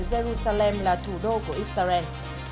jerusalem là thủ đô của israel